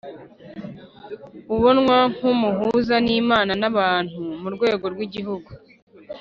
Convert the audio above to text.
ubonwa nk umuhuza n Imana n abantu mu rwego rw igihugu